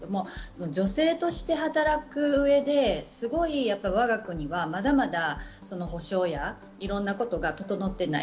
女性として働く上で、我が国はまだまだ補償やいろんなことが整っていない。